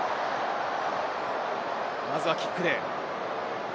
まずはキックで。